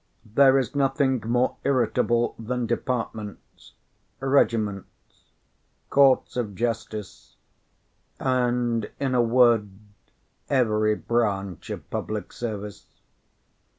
There is nothing more irritable than departments, regiments, courts of justice, and, in a word, every branch of public service.